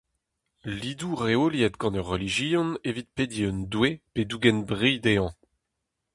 Lidoù reoliet gant ur relijion evit pediñ un doue pe dougen bri dezhañ.